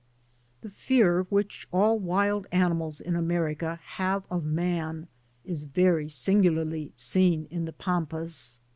The fear which all wild animals in America have of man is very singularly seen in the Pampas.